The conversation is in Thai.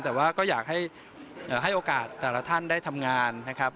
แต่ว่าก็อยากให้โอกาสแต่ละท่านได้ทำงานนะครับ